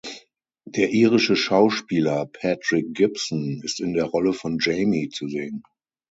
Der irische Schauspieler Patrick Gibson ist in der Rolle von Jamie zu sehen.